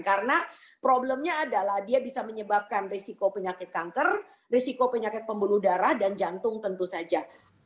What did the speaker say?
karena problemnya adalah dia bisa menyebabkan risiko penyakit kanker risiko penyakit pembuluh darah dan jantung tentu saja